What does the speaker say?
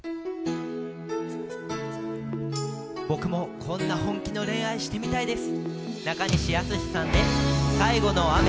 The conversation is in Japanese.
僕も、こんな本気の恋愛してみたいです。